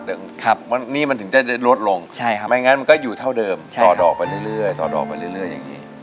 ว่านี่มันถึงจะลดลงไม่งั้นมันก็อยู่เท่าเดิมต่อดอกไปเรื่อยอย่างนี้